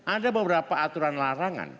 ada beberapa aturan larangan